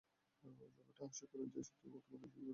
ব্যাপারটা হাস্যকর যে শুধু তোমাদের দুজনেরই এটা সমস্যা মনে হচ্ছে।